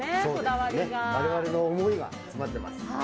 われわれの思いが詰まっています。